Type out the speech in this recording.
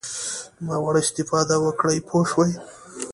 ناوړه استفاده وکړي پوه شوې!.